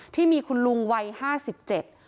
ที่มีคุณลุงวัยห้าสิบเจ็ด